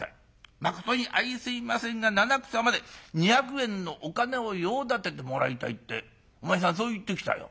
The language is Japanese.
まことにあいすいませんが七草まで２００円のお金を用立ててもらいたい』ってお前さんそう言ってきたよ。